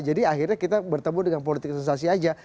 jadi akhirnya kita bertemu dengan politik sensasi aja